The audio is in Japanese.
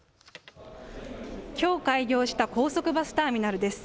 きょう開業した高速バスターミナルです。